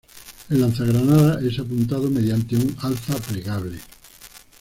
El lanzagranadas es apuntado mediante un alza plegable.